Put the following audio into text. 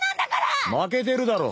負けてるだろ。